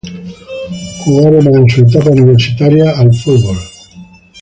Jugó además en su etapa universitaria al fútbol americano.